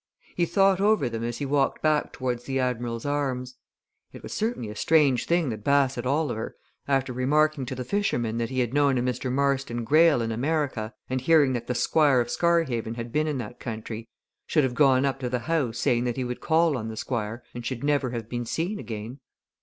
He thought over them as he walked back towards the "Admiral's Arms." It was certainly a strange thing that Bassett Oliver, after remarking to the fisherman that he had known a Mr. Marston Greyle in America, and hearing that the Squire of Scarhaven had been in that country, should have gone up to the house saying that he would call on the Squire and should never have been seen again.